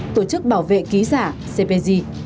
tổ chức bảo vệ ký giả cpg